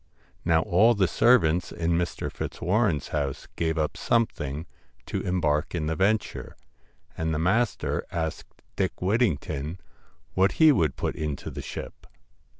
Now all the servants in Mr. Fitzwarren's house gave up something to embark in the venture, and the master asked Dick Whittington what he would put into the ship.